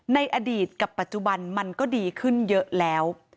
ในอดีตกับปัจจุบันมันก็ดีขึ้นเยอะแล้ว